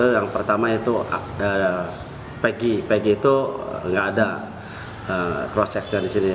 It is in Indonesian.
yang pertama itu pegi pegi itu tidak ada crosschecknya disini